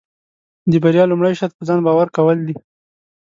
د بریا لومړی شرط پۀ ځان باور کول دي.